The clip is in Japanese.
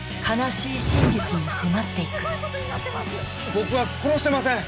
僕は殺してません！